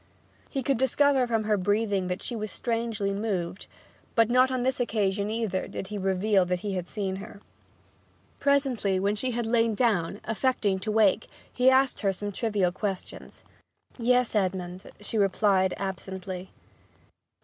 He could discover from her breathing that she was strangely moved; but not on this occasion either did he reveal that he had seen her. Presently, when she had lain down, affecting to wake, he asked her some trivial questions. 'Yes, Edmond,' she replied absently.